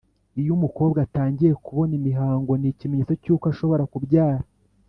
Iyo umukobwa atangiye kubona imihango ni ikimenyetso cy uko ashobora kubyara